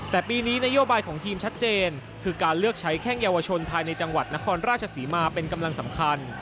แต่ปีนี้นโยบายของทีมชัดเจนคือการเลือกใช้แข้งเยาวชนภายในจังหวัดนครราชศรีมาเป็นกำลังสำคัญ